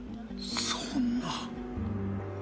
そんな。